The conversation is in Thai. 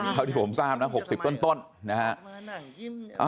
เท่าที่ผมทราบนะ๖๐ต้นนะฮะ